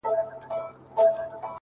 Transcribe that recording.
• پربت باندي يې سر واچوه،